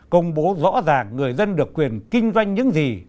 công bố rõ ràng người dân được quyền kinh doanh những gì